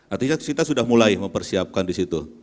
artinya kita sudah mulai mempersiapkan disitu